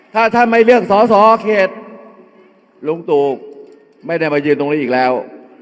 ถ้าท่านไม่เลือกสอสอเขตลุงตู่ไม่ได้มายืนตรงนี้อีกแล้ว